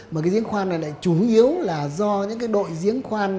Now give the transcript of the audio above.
mà riêng khoan này lại chủ yếu là do những đội riêng khoan